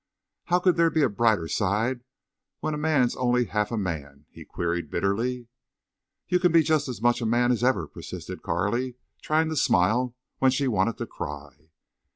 "How could there be a brighter side when a man's only half a man—" he queried, bitterly. "You can be just as much a man as ever," persisted Carley, trying to smile when she wanted to cry.